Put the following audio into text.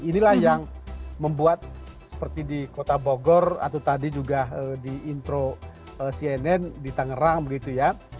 inilah yang membuat seperti di kota bogor atau tadi juga di intro cnn di tangerang begitu ya